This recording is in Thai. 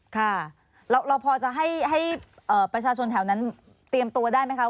ค่ะเราพอจะให้ประชาชนแถวนั้นเตรียมตัวได้ไหมคะ